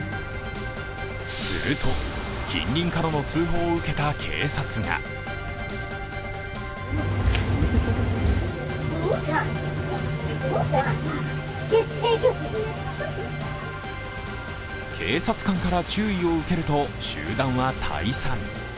すると、近隣からの通報を受けた警察が警察官から注意を受けると集団は退散。